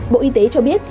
bộ y tế cho biết